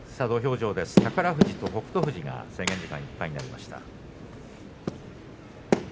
土俵上は宝富士と北勝富士制限時間いっぱいになりました。